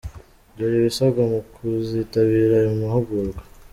Dore ibisabwa mu kuzitabira ayo mahugurwa.